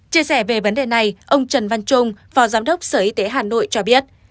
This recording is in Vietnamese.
chia sẻ về vấn đề này ông trần văn trung phó giám đốc sở y tế hà nội cho biết